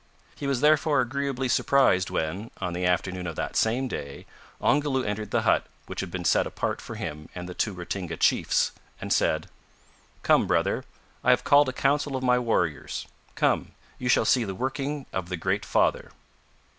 He was therefore agreeably surprised when, on the afternoon of that same day, Ongoloo entered the hut which had been set apart for him and the two Ratinga chiefs, and said "Come, brother, I have called a council of my warriors. Come, you shall see the working of the Great Father."